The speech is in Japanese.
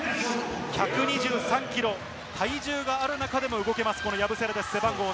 １２３ｋｇ、体重がある中でも動けます、ヤブセレです。